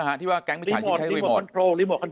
ฮะที่ว่าแก๊งมันใช้ใช้รีโมทรีโมทรีโมทรีโมทรีโมท